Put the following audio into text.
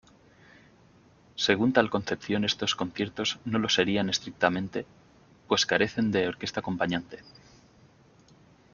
Según tal concepción estos conciertos no lo serían estrictamente, pues carecen de orquesta acompañante.